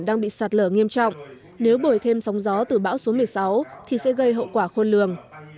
đang bị sạt lở nghiêm trọng nếu bồi thêm sóng gió từ bão số một mươi sáu thì sẽ gây hậu quả khôn lường